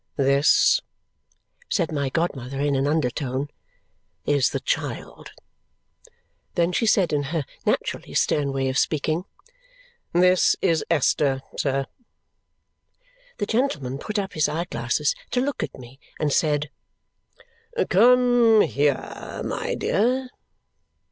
"This," said my godmother in an undertone, "is the child." Then she said in her naturally stern way of speaking, "This is Esther, sir." The gentleman put up his eye glasses to look at me and said, "Come here, my dear!"